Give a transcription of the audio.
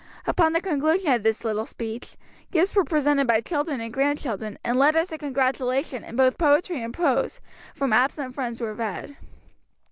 Upon the conclusion of this little speech, gifts were presented by children and grandchildren, and letters of congratulation, in both poetry and prose, from absent friends were read.